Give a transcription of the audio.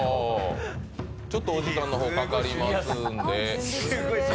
ちょっとお時間の方、かかりますんで。